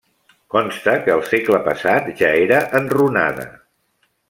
Consta que al segle passat ja era enrunada.